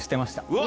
うわ！